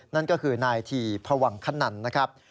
นั่นก็คือนายทีพวังขนันนะครับ